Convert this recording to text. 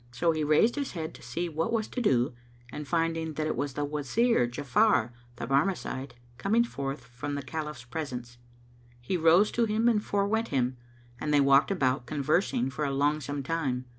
So he raised his head to see what was to do and finding that it was the Wazir Ja'afar the Barmecide coming forth from the Caliph's presence, he rose to him and forewent him, and they walked about, conversing for a longsome time.